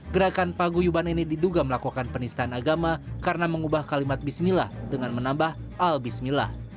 gerakan paguyuban ini diduga melakukan penistaan agama karena mengubah kalimat bismillah dengan menambah al bismillah